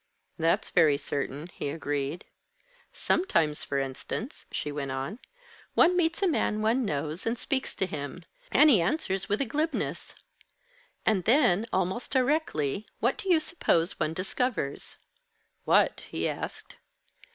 "That's very certain," he agreed. "Sometimes, for instance," she went on, "one meets a man one knows, and speaks to him. And he answers with a glibness! And then, almost directly, what do you suppose one discovers?" "What?" he asked.